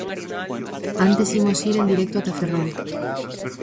Antes imos ir en directo ata Ferrol.